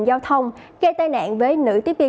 giao thông gây tai nạn với nữ tiếp viên